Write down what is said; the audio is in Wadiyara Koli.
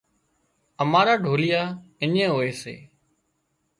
امارا ڍوليئا اڃين هوئي سي